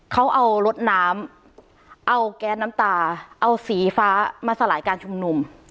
เขาเอารถน้ำเอาแก๊สน้ำตาเอาสีฟ้ามาสลายการชุมนุม